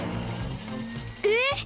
えっ！